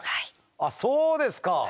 あっそうですか。